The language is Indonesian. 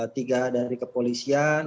tiga dari kepolisian